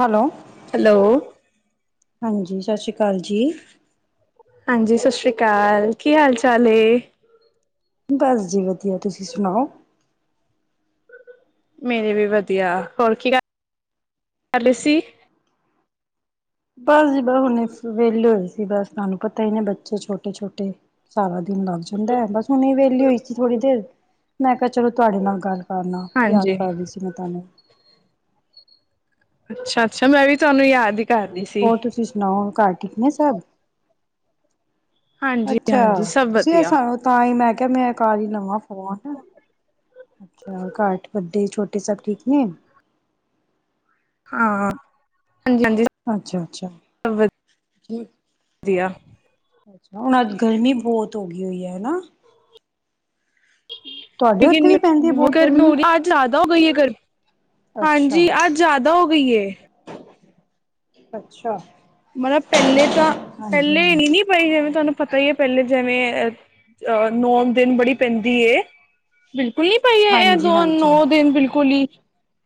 Hello. Hello. ਹਾਂਜੀ, ਸ਼ਾਸ਼ੀ ਕਾਲ ਜੀ। ਹਾਂਜੀ, ਸ਼ਾਸ਼੍ਰੀ ਕਾਲ, ਕੀ ਹਾਲ ਚਾਲ ਏ। ਬਾੱਸ ਜੀ ਵਧੀਆਂ, ਤੁਸੀ ਸੁਨਾਓ। ਮੇਰੇ ਵੀ ਵਧੀਆਂ, ਹੋਰ ਕੀ ਕਰ ਰੇ ਸੀ ਬੱਸ ਜੀ ਬੱਸ ਹੁਣੇ ਫ ਵੇਲੇ ਹੋਈ ਸੀ ਬੱਸ, ਤਹਾਨੂੰ ਪਤਾ ਈ ਨੇ ਬੱਚੇ ਛੋਟੇ- ਛੋਟੇ ਸਾਰਾ ਦਿਨ ਲਾੱਗ ਜਾਂਦਾਂ, ਬੱਸ ਹੁਣੇ ਈ ਵੇਹਲੀ ਹੋਈ ਸੀ ਥੋੜੀ ਦੇਰ, ਮੈਂ ਕਿਹਾ ਚਲੋ ਤੁਆਡੇ ਨਾਲ ਗੱਲ ਕਰ ਲਾ, ਯਾਦ ਹਾਂਜੀ ਕਰ ਰੀ ਸੀ ਮੈਂ ਤੁਆਨੂੰ ਅੱਛਾ-ਅੱਛਾ ਮੈਂ ਵੀ ਤੁਆਨੂੰ ਯਾਦ ਈ ਹੋਰ ਤੁਸੀ ਸੁਨਾਓੁ, ਘਰ ਠੀਕ ਨੇ ਸਭ ਹਾਂਜੀ ਅੱਛਾ, ਹਾਂਜੀ ਸਭ ਤੁਸੀ ਆ ਵਧੀਆ ਸਾ, ਤਾਂ ਈ ਮੈਂ ਕਿਯਾ ਮੈਂ ਕਰ ਈ ਲਵਾਂ ਫ਼ੋਨ। ਅੱਛਾ, ਘਰ ਵੱਡੇ ਛੋਟੇ ਸਬ ਠੀਕ ਨੇ ਹਾਂ, ਹਾਂਜੀ- ਹਾਂਜੀ। ਅੱਛਾ- ਅੱਛਾ ਸਭ ਠੀਕ। ਵਧੀਆ ਹੁਣ ਅੱਜ ਗਰਮੀ ਬੋਤ ਹੋ ਗਈ ਹੋਈ ਐ ਹਨਾ ਤੁਆਡੇ ਓਥੇ ਵੀ ਪੈਂਦੀ ਐ ਬੋਤ ਗਰਮੀਂ ਜਾਦਾ ਹੋ ਗਈ ਏ ਗਰਮੀ, ਅੱਛਾ ਹਾਂਜੀ ਅੱਜ਼ ਜਾਦਾ ਹੋ ਗੀ ਏ। ਅੱਛਾ। ਮਲਬ ਪਹਿਲੇ ਤਾਂ ਹਾਂਜੀ ਪਹਿਲੇ ਹਾਂਜੀ ਏਨੀਂ ਨੀ ਪਈ ਜਿਵੇਂ ਤੁਆਨੂੰ ਪਤਾ ਈ ਏ, ਪਹਿਲੇ ਜਿਵੇਂ ਅ ਨੌ ਦਿਨ ਬੜੀ ਪੈਂਦੀ ਏ। ਬਿਲਕੁਲ ਨੀ ਪਈ ਏ, ਹਾਂਜੀ ਹਾਂਜੀ ਦੋ-ਨੌ ਦਿਨ ਬਿਲਕੁਲ ਈ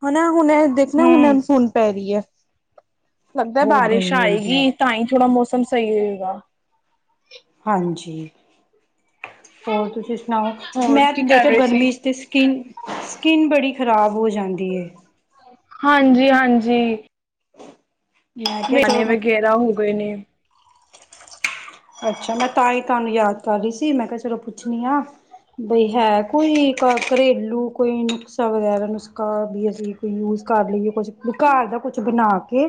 ਹਨਾ ਹੁਣੇ ਦੇਖਣਾ ਹੁਣੇ ਹਮ ਹੁਣ ਪੈ ਰੀ ਐ, ਲੱਗਦਾ ਏ ਬਹੁਤ ਬਾਰਿਸ਼ ਗਰਮੀ ਹੋਈ ਦੀ ਹੈ ਆਏਗੀ ਤਾਂ ਈ ਥੋੜਾ ਮੌਸਮ ਸਈ ਹੋਏਗਾ। [inaudible] ਹਾਂਜੀ, ਹੋਰ ਤੁਸੀ ਸੁਨਾਓ। ਹੋਰ ਮੈਂ ਕੀ ਤੇ ਕਰ ਦੇਖਿਆ ਰਹੇ ਸੀ ਗਰਮੀ ਚ, ਤੇ ਸਕਿੰਨ -ਸਕਿੰਨ ਬੜੀ ਖ਼ਰਾਬ ਹੋ ਜਾਂਦੀ ਏ। ਹਾਂਜੀ- ਹਾਂਜੀ ਮੈਂ ਕਿਹਾ ਮੇਂ ਚਲੋ ਦਾਣੇ ਮੈਂ ਵਗ਼ੈਰਾ ਹੋ ਗੇ ਹੋਏ ਨੇਂ ਅੱਛਾ, ਮੈਂ ਤਾਂ ਈ ਤਹਾਨੂੰ ਯਾਦ ਕਰ ਰਈ ਸੀ, ਮੈਂ ਕਿਹਾ ਚਲੋ ਪੁੱਛਣੀ ਆ, ਬਈ ਹੈ ਕੋਈ ਘ ਘਰੇਲੂ ਕੋਈ ਨੁਕਸਾ ਵਗੈਰਾ ਨੁਸਖਾ ਵੀ ਅਸੀ ਕੋਈ ਯੂਜ ਕਰ ਲਈਏ ਕੁੱਛ ਘਰ ਦਾ ਕੁੱਛ ਬਨਾ ਕੇ,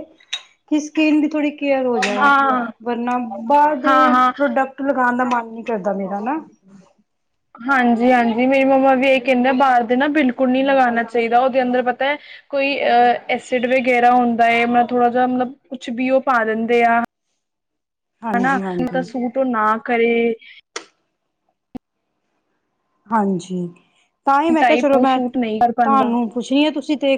ਕਿ ਸਕਿੰਨ ਦੀ ਥੋੜੀ ਕੇਯਰ ਹੋ ਜਾਏ, ਹਾਂ ਵਰਨਾ ਬਾਹਰ ਹਾਂ ਦੇ ਹਾਂ ਪ੍ਰੋਡਕਟ ਲਗਾਨ ਦਾ ਮੰਨ ਨੀ ਕਰਦਾ [unintelligible] [inaudible] ਹਾਂਜੀ- ਹਾਂਜੀ ਮੇਰੀ ਮੰਮਾ ਵੀ ਏਹੀ ਕਹਿੰਦੇ ਬਾਹਰ ਦੇ ਨਾ ਬਿਲਕੁਲ ਨੀ ਲਗਾਨਾ ਚਾਹੀਂਦਾ, ਓਦੇ ਅੰਦਰ ਪਤਾ ਏ ਕੋਈ ਅ ਐਸਿਡ ਵਗੈਰਾ ਹੁੰਦਾ ਏ, ਮ ਥੋੜਾ ਜਾ ਮਤਲਬ ਕੁਛ ਵੀ ਓ ਪਾ ਦਿੰਦੇ ਆ। ਹਾਂਜੀ ਹਨਾ ਹਾਂਜੀ ਸੂਟ ਨਾ ਕਰੇ। ਹਾਂਜੀ, ਤਾਂ ਈ ਮੈਂ ਕਯਾ ਟਾਈਪ ਚਲੋ ਉਹ ਮੈਂ ਸੂਟ ਨਹੀਂ ਕਰ ਪਾਉਂਦਾ ਤਾਨੂੰ ਪੁੱਛਨੀ ਆ। ਤੁਸੀ ਤੇ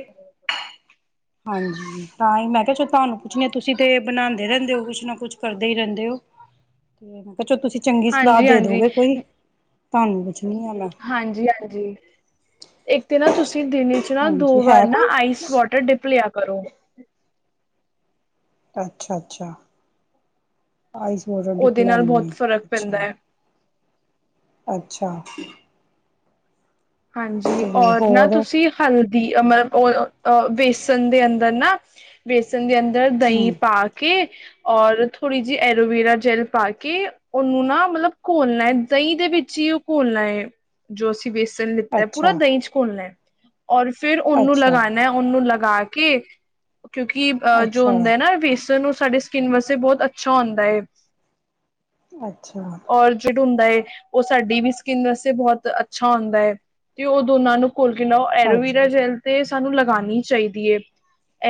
ਹਾਂਜੀ, ਤਾਂ ਈ ਮੈਂ ਕੈ ਚਲੋ ਤੁਆਨੂੰ ਪੁੱਛਨੀ ਆਂ, ਤੁਸੀ ਤੇ ਬਨਾਂਦੇ ਰਹਿੰਦੇ ਓ ਕੁੱਛ ਨਾ ਕੁੱਛ ਕਰਦੇ ਈ ਰੈਂਦੇ ਓ, ਤੇ ਮੈਂ ਕਯਾ ਤੁਸੀ ਚੰਗੀ ਸਲਾ ਹਾਂਜੀ ਦੇ ਹਾਂਜੀ ਦੋਗੇ ਕੋਈ ਤਾਨੂੰ ਪੁਛਨੀ ਆਂ ਮੈਂ। ਹਾਂਜੀ ਹਾਂਜੀ ਇੱਕ ਨਾ ਤੁਸੀਂ ਦਿਨੇ ਦੋ ਹਾਂਜੀ ਹੈ ਵਾਰ ਨਾ ਕੋਈ ਆਈਸ ਵਾਟਰ ਡਿਪ ਲਿਆ ਕਰੋ। ਅੱਛਾ ਅੱਛਾ ਆਈਸ ਵੋਟਰ ਡਿਪ ਉਹਦੇ ਨਾਲ ਲੈਂਣੀ ਬਹੁਤ ਆ ਫ਼ਰਕ ਪੈਂਦਾ ਅੱਛਾ ਹੈ ਅੱਛਾ ਹਾਂਜੀ ਤੇ ਔਰ ਨਾ ਹੋਰ ਤੁਸੀਂ ਹਲਦੀ ਮਤਲਬ ਉਹ ਬੇਸਨ ਦੇ ਅੰਦਰ ਨਾ। ਬੇਸਣ ਦੇ ਅੰਦਰ ਹਮ ਦਹੀਂ ਪਾ ਕੇ ਔਰ ਥੋੜ੍ਹੀ ਜਿਹੀ ਐਲੋਵੇਰਾ ਜੈੱਲ ਪਾ ਕੇ ਉਹਨੂੰ ਨਾ ਮਤਲਬ ਘੋਲਣਾ ਹੈ ਦਹੀਂ ਦੇ ਵਿੱਚ ਹੀ ਘੋਲਣਾ ਹੈ ਜੋ ਅਸੀਂ ਵੇ ਸਨ ਲਿੱਤਾ ਪੂਰਾ ਅੱਛਾ ਦਹੀਂ ਚ ਘੋਲਣਾ ਔਰ ਫੇਰ ਉਹਨੂੰ ਅੱਛਾ ਲਗਾਉਣਾ ਉਹਨੂੰ ਲਗਾ ਕੇ ਕਿਉਂਕਿ ਅਹ ਜੋ ਅੱਛਾ ਹੁੰਦਾ ਹੈ ਨਾ ਵੇਸਣ ਓਹੋ ਸਾਡੇ ਸਕਿਨ ਵਾਸਤੇ ਬਹੁਤ ਅੱਛਾ ਹੁੰਦਾ ਏ ਅੱਛਾ ਜਿੜ ਹੁੰਦਾ ਹੈ। ਉਹ ਸਾਡੀ ਵੀ ਸਕਿੰਨ ਵਾਸਤੇ ਬਹੁਤ ਅੱਛਾ ਹੁੰਦਾ ਹੈ। ਤੇ ਉਹ ਦੋਨਾਂ ਨੂੰ ਕੋਲ ਕੇ ਐਲੋਵੀਰਾ ਅੱਛਾ ਜੈਲ ਤੇ ਸਾਨੂੰ ਲਗਾਉਣੀ ਚਾਹੀਦੀ ਹੈ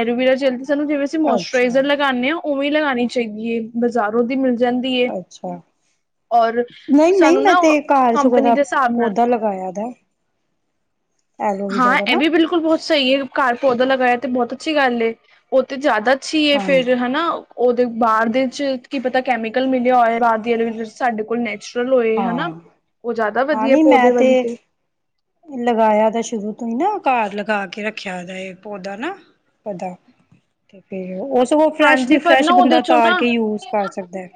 ਐਲੋਵੀਰਾ ਜੈਲ ਤੇ ਸਾਨੂੰ ਜਿਵੇਂ ਸੀਂ ਅੱਛਾ ਮੋਸਚਰਾਈਜ਼ਰ ਲਗਾਉਂਦੇ ਹਾਂ ਉਵੇਂ ਲਗਾਉਣੀ ਚਾਹੀਦੀ ਹੈ। ਬਾਜ਼ਾਰੋਂ ਦੀ ਮਿਲ ਜਾਂਦੀ। ਏ ਅੱਛਾ ਔਰ ਨਹੀਂ ਨਹੀਂ ਸਾਨੂੰ ਮੈਂ ਨਾ ਤੇ ਘਰ ਸੁਗੋਂ ਕੰਪਨੀ ਦਾ ਦੇ ਹਿਸਾਬ ਨਾਲ ਪੌਦਾ ਲਗਾਇਆ ਦਾ। ਹਾਂ ਐਲੋਵੇਰਾ ਦਾ ਇਹ ਨਾ ਵੀ ਬਿਲਕੁਲ ਬਹੁਤ ਸਹੀ ਹੈ ਘਰ ਪੌਦਾ ਲਗਾਇਆ ਤੇ ਬਹੁਤ ਅੱਛੀ ਗੱਲ ਉਹ ਤੇ ਜਿਆਦਾ ਅੱਛੀ ਫੇਰ ਹਾਂਜੀ ਹਨਾ। ਉਹਦੇ ਬਾਹਰ ਦੇ ਚ ਕੀ ਪਤਾ ਕੈਮੀਕਲ ਮਿਲਿਆ ਹੋਇਆ ਬਾਹਰ ਦੀ ਐਲੋਵੇਰਾ ਵਿੱਚ ਸਾਡੇ ਕੋਲ ਨੈਚੁਰਲ ਲ ਹੋਏ ਹਾਂ ਹਨਾ। ਉਹ ਜ਼ਿਆਦਾ ਹਾਂ ਵਧੀਆ ਨਹੀਂ ਮੈਂ ਪੌਦੇ ਵਾਲੀ ਤੇ ਲਗਾਇਆ ਤਾ ਸ਼ੁਰੂ ਤੋਂ ਹੀ ਨਾ ਘਰ ਲਗਾਂ ਕੇ ਰੱਖਿਆ ਦਾ ਇਹ ਪੌਦਾ ਨਾ। ਪਤਾ ਤੇ ਫੇਰ ਉਹ ਫਰੈਸ਼ ਦੀ ਹਾਂਜੀ ਪਰ ਫਰੈਸ਼ ਨਾ ਉਹਦੇ ਬੰਦਾ ਚੋਂ ਤਾਰ ਨਾ ਕੇ ਯੂਜ ਕਰ ਸਕਦਾ ਹੈ।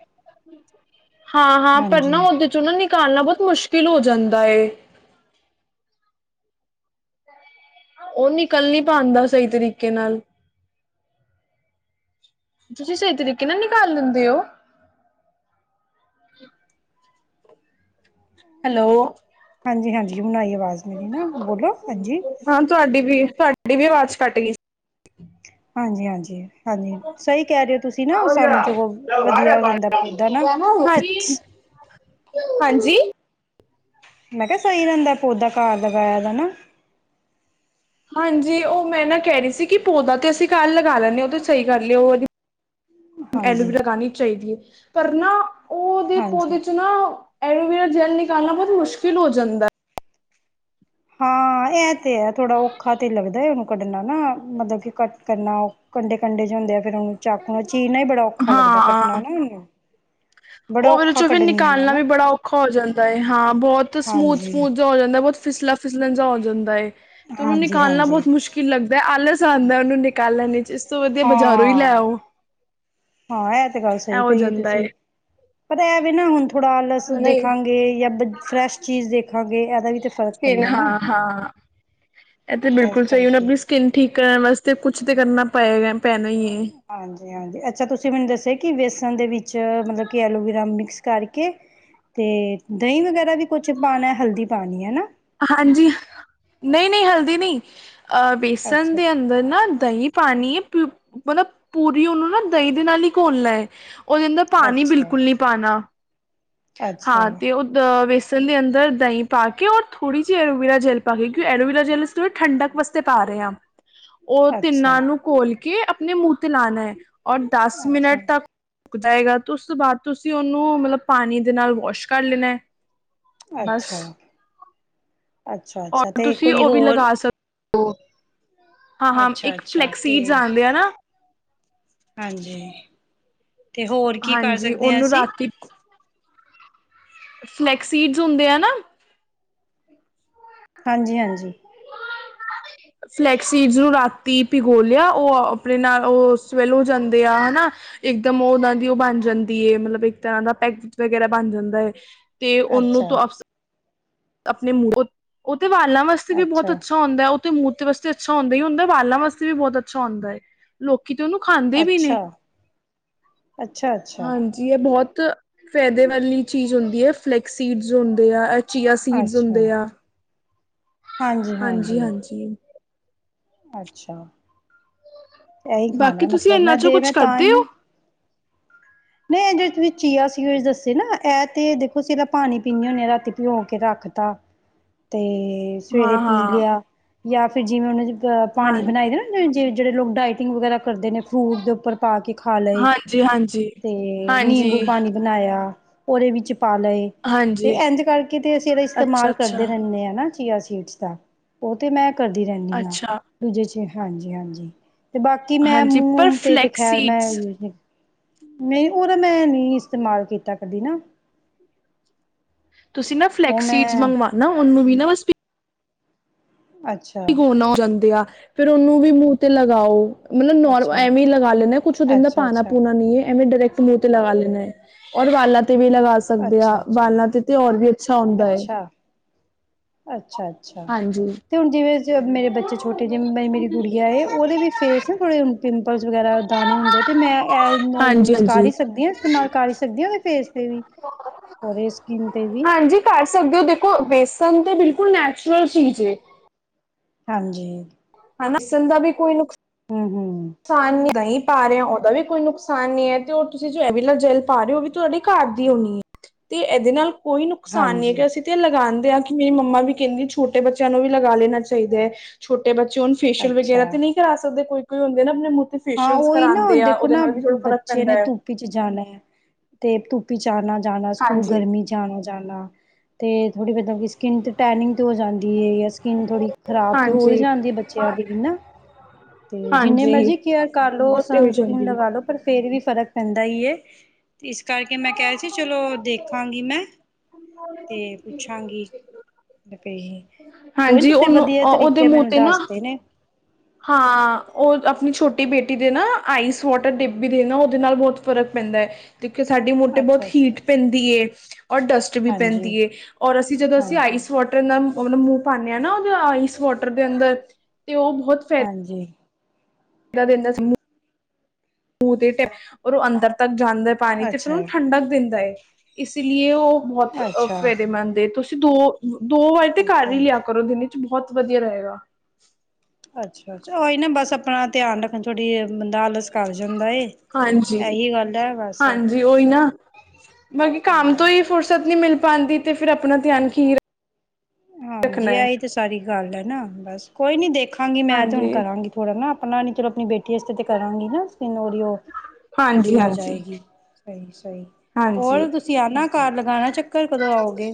ਹਾਂ ਹਾਂ ਪਰ ਹਾਂਜੀ ਨਾ ਉਹਦੇ ਚੋਂ ਨਾ ਨਿਕਾਲਣਾ ਬਹੁਤ ਮੁਸ਼ਕਿਲ ਹੋ ਜਾਂਦਾ ਐ। ਉਹ ਨਿਕਲ਼ ਨੀ ਪਾਉਂਦਾ ਸਹੀ ਤਰੀਕੇ ਨਾਲ ਤੁਸੀਂ ਸਹੀ ਤਰੀਕੇ ਨਾਲ ਨਿਕਾਲ ਲੈਂਦੇ ਹੋ। ਹੈਲੋ ਹਾਂਜੀ ਹਾਂਜੀ ਹੁਣ ਆਈ ਆਵਾਜ਼ ਮੇਰੀ ਨਾ ਬੋਲੋ ਹਾਂਜੀ ਹਾਂ ਤੁਹਾਡੀ ਵੀ ਤੁਹਾਡੀ ਵੀ ਆਵਾਜ਼ ਕੱਟ ਗਈ ਸੀ। ਹਾਂਜੀ ਹਾਂਜੀ ਹਾਂਜੀ ਸਹੀ ਕਹਿ ਰਹੇ ਹੋ ਤੁਸੀਂ ਨਾ ਸਾਨੂੰ ਜੌ ਵਧੀਆਂ ਰਹਿੰਦਾ ਪੌਦਾ ਨਾ ਹਾਂਜੀ ਮੈਂ ਕਿਹਾ ਸਹੀ ਰਹਿੰਦਾ ਪੌਦਾ ਘਰ ਲਗਾਇਆਂ ਦਾ ਹਾਂਜੀ ਉਹ ਮੈਂ ਨਾ ਕਹਿ ਰਹੀ ਸੀ। ਕਿ ਪੌਦਾ ਤੇ ਅਸੀਂ ਘੱਰ ਲਗਾਂ ਲੈਂਦੇ ਹ ਉਹ ਤੇ ਸਹੀ ਗੱਲ ਐ। ਹਾਂਜੀ ਐਲੋਵੀਰਾ ਲਗਾਨੀ ਚਾਹੀਦੀ ਹੈ ਪਰ ਨਾ ਉਹਦੇ ਹਾਂਜੀ ਪੌਦੇ ਚ ਨਾ ਐਲੋਵੇਰਾ ਜੈੱਲ ਜੈਲ ਨਿਕਾਲਣਾ ਬਹੁਤ ਮੁਸ਼ਕਿਲ ਹੋ ਜਾਂਦਾ। ਹਾਂ ਇਹ ਤੇ ਹੈ ਥੋੜਾ ਔਖਾ ਤੇ ਲੱਗਦਾ ਉਹਨੂੰ ਕੱਢਣਾ ਨਾ ਮਤਲਬ ਕਿ ਕਟ ਕਰਨਾਂ ਕੰਢੇ ਕੰਢੇ ਚ ਹਦੇ ਆ ਫਿਰ ਉਹ ਨੂੰ ਚਾਕੂ ਨਾਲ ਚੀਰਨਾ ਈ ਬੜਾ ਔਖਾ ਲੱਗਦਾ, ਕੱਟਣਾ ਨਾ ਓਨੁ। ਓ ਵਾਲੇ ਚੋਂ ਫੇ ਨਿਕਾਲਣਾ ਨਾ ਵੀ ਬੜਾ ਔਖਾ ਔਖਾ ਹੋ ਜਾਂਦਾ ਏ ਹਾਂ, ਬਹੁਤ ਹਾਂਜੀ ਸਮੂਦ-ਸਮੂਦ ਜੇਆ ਹੋ ਜਾਂਦਾ ਏ, ਬੋਤ ਫਿਸਲਾ ਫਿਸਲਣ ਜਾ ਹੋ ਜਾਂਦਾ ਏ। ਤੇ ਓਨੂੰ ਹਾਂਜੀ ਨਿਕਾਲਣਾ ਹਾਂਜੀ ਬਹੁਤ ਮੁਸ਼ਕਿਲ ਲੱਗਦਾ, ਆਲਸ ਆਂਦਾ ਏ ਓ ਨੂੰ ਨਿਕਾਲਣ ਚ। ਇਸ ਤੋਂ ਵਧੀਆ ਬਜ਼ਾਰੋਂ ਈ ਲੈ ਹਾਂ ਆਓ, ਹਾਂ ਇਹ ਤੇ ਗੱਲ ਐ ਸਹੀ ਹੋ ਕਹੀਏ ਜਾਂਦਾ ਤੁਸੀਂ ਏ। ਪਤਾ ਏਵੀ ਨਾ ਹੁਨ ਥੋੜਾ ਆਲਸ ਨਹੀਂ ਦੇਖਾਂਗੇ ਯਾਂ ਫਰੈਸ਼ ਚੀਜ਼ ਦੇਖਾਂਗੇ ਵੀ ਤੇ ਫ਼ਰਕ ਫੇਰ, ਪੈਂਦਾ ਨਾ ਹਾਂ-ਹਾਂ। ਏ ਤੇ ਇਸ ਬਿਲਕੁਲ ਸਹੀ ਏ, ਹੁਨ ਕਰਕੇ ਅਪਨੀ ਸਕਿੰਨ ਠੀਕ ਕਰਨ ਵਾਸਤੇ ਕੁੱਛ ਤੇ ਕਰਨਾ ਪਏਗਾ ਪੈਣਾ ਈਏ। ਹਾਂਜੀ-ਹਾਂਜੀ ਅੱਛਾ, ਤੁਸੀਂ ਮੈਨੂੰ ਦੱਸਿਆ ਕਿ ਬੇਸਣ ਦੇ ਵਿੱਚ ਮਤਲਬ ਕਿ ਐਲੋਵਰਾ ਮਿਕਸ ਕਰਕੇ ਤੇ ਦਈਂ ਵਗੈਰਾ ਵੀ ਕੁਛ ਪਾਣਾ ਹਲਦੀ ਪਾਣੀਏ, ਹੈਨਾ? ਹਾਂਜੀ, ਨਈਂ-ਨਈਂ ਹਲਦੀ ਨਈਂ, ਅਹ ਬੇਸਨ ਅੱਛਾ ਦੇ ਅੰਦਰ ਨਾ ਦਹੀਂ ਪਾਣੀ ਏ, ਮਤਲਬ ਪੂਰੀ ਓਨੂੰ ਨਾ ਦਈਂ ਦੇ ਨਾਲ ਹੀ ਘੋਲਣਾ। ਓਦੇ ਅੰਦਰ ਪਾਣੀ ਅੱਛਾ ਬਿਲਕੁਲ ਨੀਂ ਪਾਣਾ, ਹਾਂ ਅੱਛਾ ਤੇ ਓ ਦ ਵੇਸਨ ਦੇ ਅੰਦਰ ਦਹੀਂ ਪਾ ਕੇ ਔਰ ਥੋੜੀ ਜਿ ਐਲੋਵਿਰਾ ਜੈਲ ਪਾ ਕੇ, ਕਿਉ ਐਰੋਵੀਰਾ ਜੈਲ ਥੋੜਾ ਠੰਡਕ ਬਸ ਤੇ ਤਾਰੇ ਆਂ। ਓ ਅੱਛਾ ਤਿੰਨਾਂ ਨੂੰ ਘੋਲ ਕੇ ਆਪਣੇ ਮੂੰਹ ਤੇ ਲਾਣਾ ਔਰ ਦਸ ਮਿੰਟ ਅੱਛਾ ਤੱਕ ਸੁੱਕ ਜਾਏਗਾ ਤੇ ਉਸ ਤੋਂ ਬਾਅਦ ਤੁਸੀਂ ਓਨੂੰ ਮਤਲਬ ਪਾਣੀ ਦੇ ਨਾਲ ਵਾਸ਼ ਕਰ ਲੈਣਾ। ਬਸ ਅੱਛਾ, ਅੱਛਾ-ਅੱਛਾ ਔਰ ਤੇ ਤੁਸੀਂ ਕੋਈ ਉਹ ਵੀ ਹੋਰ ਲਗਾ ਸਕ ਹਾਂ-ਹਾਂ, ਅੱਛਾ ਇੱਕ ਅੱਛਾ ਫਲੈਕਸ ਤੇ ਸੀਡਜ਼ ਆਂਦੇ ਆ ਨਾ ਹਾਂਜੀ, ਤੇ ਹੋਰ ਕੀ ਪਾ ਹਾਂਜੀ ਸਕਦੇ ਆਂ ਉਹਨੂੰ ਅਸੀਂ? ਰਾਤੀ ਫਲੈਕਸ ਸੀਡਸ ਹੁੰਦੇ ਆ ਨਾ ਹਾਂਜੀ-ਹਾਂਜੀ। ਫਲੈਕਸ ਸੀਡਸ ਨੂੰ ਰਾਤੀ ਭਿਗੋ ਲਿਆ ਓ ਅਪਨੇ ਸਵੇਰੇ ਸਵੈਲੋ ਹੋ ਜਾਂਦੇ ਆ, ਹੈਨਾ? ਏਕਦਮ ਓ ਓ ਨਾਂ ਦੀ ਓ ਬਣ ਜਾਂਦੀ ਏ ਮਤਲਬ ਇੱਕ ਤਰ੍ਹਾਂ ਦਾ ਪੈਕਸ ਵਗੈਰਾ ਬਣ ਜਾਂਦਾ। ਤੇ ਓਨੂੰ ਅੱਛਾ ਤ ਅਫ ਆਪਣੇ ਮੂੰਹ ਓ ਤੇ ਵਾਲਾਂ ਵਾਸਤੇ ਵੀ ਬਹੁਤ ਅੱਛਾ ਹੁੰਦਾ। ਮੂੰਹ ਦੇ ਵਾਸਤੇ ਤਾਂ ਅੱਛਾ ਹੁੰਦਾ ਈ ਹੁੰਦਾ ਵਾਲਾਂ ਵਾਸਤੇ ਵੀ ਬਹੁਤ ਅੱਛਾ ਹੁੰਦਾ ਏ। ਲੋਕੀ ਤੇ ਓਨੂੰ ਖਾਂਦੇ ਵੀ ਨੇ, ਅੱਛਾ ਅੱਛਾ ਅੱਛਾ ਹਾਂਜੀ। ਜੀ ਏ ਬਹੁਤ ਫੈਦੇ ਵਾਲੀ ਚੀਜ਼ ਹੁੰਦੀ ਐ, ਫਲੈਕਸੀਡਜ ਹੁੰਦੇ ਆ, ਚੀਆ ਸੀਡਸ ਅੱਛਾ ਹੁੰਦੇ ਆ। ਹਾਂਜੀ ਹਾਂਜੀ ਹਾਂਜੀ-ਹਾਂਜੀ। ਅੱਛਾ, ਏਹੀ ਬਾਕੀ ਖਾਣਾ ਤੁਸੀਂ ਮਤਲਬ ਇਹਨਾਂ ਮੈਂ ਚੋਂ ਕੁਛ ਦੇਵੇੈਂ ਤਾਂ ਹੀ ਕਰਦੇ ਹੋ ਨਾ ਨੀਂ ਏ ਜੇੜੇ ਤੁਸੀਂ ਚੀਆ ਸੀਡਜ ਜੋ ਦੱਸੇ ਨਾ ਏਤੇ ਦੇਖੋ, ਸਰਾ ਪਾਣੀ ਪੀਦੇ ਹੁੰਦੇ ਹਾਂ ਰਾਤੀ ਪਿਯੋ ਕੇ ਰੱਖ ਤਾ ਤੇ ਸਵੇਰੇ ਹਾਂ ਪੀ ਹਾਂ ਲਿਆ ਯਾ ਫੇਰ ਜਿਵੇਂ ਓਨੇ ਚ ਅ ਹਾਂ ਪਾਣੀ ਬਣਾਈ ਦਾ ਨਾ ਜੇ ਜੇੜੇ ਲੋਕ ਡਾਇਟਿੰਗ ਵਗੈਰਾ ਕਰਦੇ ਨੇ ਫਰੂਟ ਦੇ ਉੱਪਰ ਪਾ ਕੇ ਖਾ ਲਏ। ਜੀ ਹਾਂਜੀ। ਤੇ ਨਿੰਬੂ ਹਾਂਜੀ ਪਾਣੀ ਬਨਾਯਾ ਓਦੇ ਵਿੱਚ ਪਾ ਲਏ। ਤੇ ਹਾਂਜੀ ਐਂਜ ਕਰਕੇ ਤੇ ਅਸੀਂ ਏਦਾ ਅੱਛਾ ਇਸਤੇਮਾਲ ਅੱਛਾ ਕਰਦੇ ਰੈਨੇ ਆਂ ਚੀਆ ਸੀਡਸ ਤਾਂ ਓ ਤੇ ਮੈਂ ਕਰਦੀ ਰੈਨੀ ਆਂ ਅੱਛਾ ਦੂਜੇ ਚ, ਹਾਂਜੀ-ਹਾਂਜੀ। ਤੇ ਬਾਕੀ ਮੈਂ ਹਾਂਜੀ ਪਰ ਮੂੰਹ, ਤੇ ਫਲੈਕਸ ਖੈਰ ਮੈਂ ਸੀਡਸ ਯ ਨਈਂ, ਓ ਤਾਂ ਮੈਂ ਨਈਂ ਇਸਤੇਮਾਲ ਕੀਤਾ ਕਦੀ ਨਾ। ਤੁਸੀਂ ਨਾ ਉਹ ਫਲੈਕਸ ਸੀਡਜ ਮੈਂ ਮੰਗਵਾਣਾ, ਓਨੂੰ ਵੀ ਨਾ ਬ ਅੱਛਾ। ਗੋਨਾ ਹੋ ਜਾਂਦੇ ਆ ਫਿਰ ਓਨੂੰ ਵੀ ਮੂੰਹ ਤੇ ਲਗਾਓ। ਨਈ ਨੋਰ ਅੱਛਾ ਐਵੇਂ ਈ ਲਗਾ ਲੈਂਦੇ ਕੁਛ ਓਦੇ ਅੰਦਰ ਅੱਛਾ ਪਾਨਾ ਅੱਛਾ ਪੂਨਾ ਨੀ ਐ ਐਵੇਂਈ ਡਰੈਕ ਮੂੰਹ ਤੇ ਲਗਾ ਲੈਨੇ ਆ ਔਰ ਵਾਲਾਂ ਤੇ ਵੀ ਲਗਾ ਸਕਦੇ ਆ ਵਾਲਾਂ ਤੇ ਤੇ ਓਰ ਵੀ ਅੱਛਾ ਹੁੰਦਾ ਹੈ ਅੱਛਾ, ਅੱਛਾ, ਅੱਛਾ। ਹਾਂਜੀ ਤੇ ਹੁਨ ਜਿਵੇਂ ਮੇਰੇ ਬੱਚੇ ਛੋਟੇ ਜਿ ਮੇਰੀ ਗੁੜੀਆ ਏ ਓਦੇ ਵੀ ਫੇਸ ਥੋੜ੍ਹੇ ਪਿੰਪਲਸ ਵਗੈਰਾ ਦਾਣੇ ਹੁੰਦੇ ਤੇ ਮੈ ਐ ਮੈ ਹਾਂਜੀ ਯੂਜ ਕਰ ਹਾਂਜੀ ਈ ਸਕਦੀ ਆਂ? ਇਸਤੇਮਾਲ ਕਰ ਸਕਦੀ ਆ ਓਦੇ ਫੇਸ ਤੇ ਵੀ ਪਰੇ ਸਕਿਨ ਤੇ ਵੀ ਹਾਂਜੀ ਕਰ ਸਕਦੇ ਓ ਦੇਖੋ ਬੇਸਨ ਤੇ ਬਿਲਕੁਲ ਨੈਚੁਰਲ ਚੀਜ਼ ਏ। ਹਾਂਜੀ। ਹਨਾ ਸਨ ਦਾ ਵੀ ਕੋਈ ਨੁਕਸ ਹੁੰ ਹੁੰ ਨੁਕਸਾਨ ਨ ਦਹੀਂ ਪਾ ਰੇ ਓ ਓਦਾ ਵੀ ਕੋਈ ਨੁਕਸਾਨ ਨਈ ਐ ਤੇ ਓ ਤੁਸੀ ਜੋ ਐਵੀਲੋ ਜੈਲ ਪਾ ਰੇ ਓ ਓਵੀ ਤੁਆਡੀ ਘਰ ਦੀ ਹੋਣੀ ਏ ਤੇ ਏਦੇ ਨਾਲ ਕੋਈ ਨੁਕਸਾਨ ਨੀ ਹਾਂਜੀ। ਕਿ ਅਸੀ ਤੇ ਲਗਾਂਦੇ ਆ ਕਿ ਮੇਰੀ ਮੰਮਾ ਵੀ ਕੈਂਦੀ ਛੋਟੇ ਬੱਚਿਆਂ ਨੂੰ ਵੀ ਲਗਾ ਲੇਨਾ ਚਾਈਦੈ। ਛੋਟੇ ਬੱਚੇ ਹੋਨ ਫੇਸ਼ੀਅਲ ਵਗੈਰਾ ਅੱਛਾ ਤੇ ਨਈ ਕਰਾ ਸਕਦੇ ਕੋਈ, ਕੋਈ ਹੁੰਦੇ ਨਾ ਆਪਨੇ ਮੂੰ ਤੇ ਹਾਂ ਫੇਸ਼ੀਅਲ ਓਈ ਨਾ ਕਰਾਉਂਦੇ ਆ ਦੇਖੋ ਉਹਦੇ ਨਾ ਨਾਲ ਵੀ ਥੋੜਾ ਫ਼ਰਕ ਬੱਚੇ ਪੈਂਦਾ ਨੇ ਹੈ ਧੁੱਪ ਇਚ ਜਾਨਾ ਤੇ ਧੁੱਪ ਇਚ ਆਨਾ ਜਾਨਾ ਸਕੂਲ ਹਾਂਜੀ ਗਰਮੀ ਚ ਆਨਾ ਜਾਨਾ ਤੇ ਥੋੜ੍ਹੀ ਮਤਲਬ ਕਿ ਸਕਿਨ ਤੇ ਟੈਨਿੰਗ ਹੋ ਜਾਂਦੀ ਏ ਜਾਂ ਸਕਿਨ ਥੋੜ੍ਹੀ ਖ਼ਰਾਬ ਤੇ ਹੋ ਈ ਹਾਂਜੀ ਜਾਂਦੀ ਏ ਬੱਚਿਆਂ ਦੀ ਵੀ ਨਾ ਤੇ ਜਿੰਨੇ ਹਾਂਜੀ ਮਰਜ਼ੀ ਕੇਅਰ ਕਰ ਲੋ, ਉਹ ਤੇ ਹੋ ਸਨਸਕ੍ਰੀਨ ਜਾਂਦੀ ਲਗਾ ਹੈ ਲੋ ਪਰ ਫੇਰ ਵੀ ਫ਼ਰਕ ਪੈਂਦਾ ਈ ਏ। ਇਸ ਕਰਕੇ ਮੈਂ ਕੇਆ ਸੀ ਚਲੋ ਦੇਖਾਂਗੀ ਮੈਂ। ਤੇ ਪੁੱਛਾਂਗੀ। ਤੇ ਕੋਈ ਨੀ ਹਾਂਜੀ ਤੁਸੀ ਉਹਨੂੰ ਵਧੀਆ ਉਹਦੇ ਤਰੀਕੇ ਮੂੰਹ ਮੈਨੂੰ ਤੇ ਨਾ ਦੱਸਤੇ ਨੇ। ਹਾਂ ਓ ਆਪਣੀ ਛੋਟੀ ਬੇਟੀ ਦੇ ਨਾ ਆਈਸ ਵਾਟਰ ਡਿੱਬੀ ਦੇਨਾ ਓਦੇ ਨਾਲ ਬੌਤ ਫ਼ਰਕ ਪੈਂਦਾ ਏ। ਦੇਖਿਓ ਸਾਡੀ ਮੋਟੋ ਬੌਤ ਅੱਛਾ ਅੱਛਾ ਹੀਟ ਪੈਂਦੀ ਏ ਔਰ ਡਸਟ ਵੀ ਹਾਂਜੀ ਪੈਂਦੀ ਏ ਔਰ ਅਸੀ ਜਦੋ ਅਸੀ ਹਾਂਜੀ ਆਈਸ ਵਾਟਰ ਨਾਲ ਮਲਬ ਮੂੰ ਪਾਨੇ ਆਂ ਨਾ ਓਦੇ ਆਈਸ ਵਾਟਰ ਦੇ ਅੰਦਰ ਤੇ ਓ ਬਹੁਤ ਹਾਂਜੀ ਕੈ ਦੇਂਦੇ ਆਂ ਅਸੀ ਮੂੰਹ ਤੇ ਔਰ ਓ ਅੰਦਰ ਤੱਕ ਜਾਂਦਾ ਏ ਤਾਂਹੀ ਤੇ ਫਿਰ ਅੱਛਾ ਉਨੂੰ ਠੰਡਕ ਦੇਂਦਾ ਐ। ਇਸ ਲੀਏ ਓ ਬਹੁਤ ਅੱਛਾ ਓਫੇਰੇਮੰਦ ਏ ਤੁਸੀ ਦੋ, ਦੋ ਵਾਰੀ ਤੇ ਘਰ ਈ ਅੱਛਾ ਲਿਆ ਕਰੋ ਦਿਨ ਚ ਬਹੁਤ ਵਧੀਆ ਰਏਗਾ। ਅੱਛਾ, ਅੱਛਾ ਓਈ ਨਾ ਬਸ ਆਪਣਾ ਧਿਆਨ ਰੱਖਣ ਥੋੜ੍ਹੀ ਬੰਦਾ ਆਲਸ ਕਰ ਜਾਂਦਾ ਏ ਐਹੀ ਗੱਲ ਐ ਬਸ ਜੀ ਓਈ ਨਾ ਬਲਕਿ ਕੰਮ ਤੋ ਈ ਫੁਰਸਤ ਨੀ ਮਿਲ ਪਾਂਦੀ ਤੇ ਫਿਰ ਆਪਣਾ ਧਿਆਨ ਕਿਵ ਹਾਂਜੀ ਐਈ ਤੇ ਸਾਰੀ ਗੱਲ ਐ ਨਾ ਬਸ ਕੋਈ ਨੀ ਦੇਖਾਂਗੀ ਮੈਂ ਤੇ ਹੁਣ ਹਾਂਜੀ ਕਰਾਂਗੀ। ਥੋੜਾ ਨਾ ਆਪਣਾ ਨੀ ਤੇ ਆਪਣੀ ਬੇਟੀ ਆਸਤੇ ਤੇ ਕਰਾਂਗੀ ਨਾ ਸਕਿਨ ਓਦੀ ਓ ਥੋੜੀ ਹਾਂਜੀ ਓ ਹੋ ਹਾਂਜੀ ਜਾਏਗੀ ਸਈ, ਸਈ ਹੋਰ ਹਾਂਜੀ ਤੁਸੀ ਆਨਾ ਘਰ ਲਗਾਣਾ ਚੱਕਰ ਕਦੋ ਆਓਗੇ?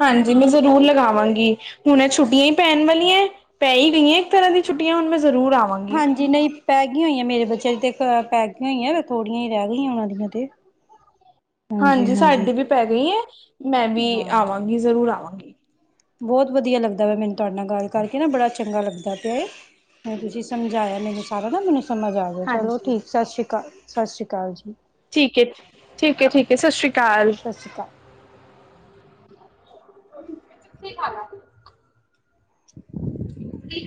ਹਾਂਜੀ ਮੈ ਜ਼ਰੂਰ ਲਗਾਵਾਂਗੀ ਹੁਨੇ ਛੁੱਟੀਆਂ ਈ ਪੈਣ ਵਾਲੀਆਂ ਏ ਪੈ ਈ ਗਈਆਂ। ਤਰ੍ਹਾਂ ਦੀ ਛੁੱਟੀਆਂ ਹੁਣ ਮੈਂ ਜ਼ਰੂਰ ਆਂਵਾਂਗ ਹਾਂਜੀ ਨਈ ਪੈ ਗੀ ਹੋਈਆਂ ਮੇਰੇ ਬੱਚਿਆਂ ਦੀ ਤੇ ਪੈ ਗੀਆਂ ਹੋਈਆਂ ਥੋੜੀਆਂ ਈ ਰੈ ਗੀਆਂ ਓਨਾਂ ਦੀਆਂ ਤੇ। ਹਾਂਜੀ ਸਾਡੀ ਵੀ ਪੈ ਗਈ ਏ ਮੈਂ ਵੀ ਆਵਾਂਗੀ ਜ਼ਰੂਰ ਆਵਾਂਗੀ। ਬੌਤ ਵਧੀਆ ਲੱਗਦਾ ਵਾ ਮੈਨੂੰ ਤਾਡੇ ਨਾਲ ਗੱਲ ਕਰਕੇ ਨਾ ਬੜਾ ਚੰਗਾ ਲੱਗਦਾ ਪਿਆ ਏ। ਹੁ ਤੁਸੀ ਸਮਝਾਇਆ ਮੈਨੂੰ ਅੱਛਾ ਸਾਰਾ ਦਾ ਮੈਨੂੰ ਸਮਝ ਆ ਗਿਆ ਚਲੋ ਹਾਂਜੀ ਠੀਕ ਸਾਸਰੀ ਕਾਲ। ਸਾਸਰੀ ਕਾਲ ਜੀ। ਠੀਕ ਏ, ਠੀਕ ਏ ਠੀਕ ਏ ਸਸ ਰੀ ਕਾਲ। ਸਸ਼ੀ ਕਾ ਬਈ ਚਿਟੀ ਪਾਲੈ ਤੂੰ [unintelligible]